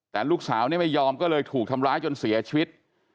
แต่ลูกสาวเนี่ยไม่ยอมก็เลยถูกทำร้ายจนเสียชีวิต